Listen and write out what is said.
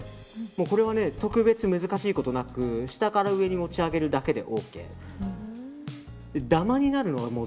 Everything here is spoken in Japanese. これは特別難しいことなく下から上に持ち上げるだけでＯＫ。